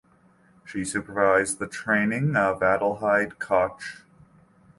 She supervised the training of Adelheid Koch.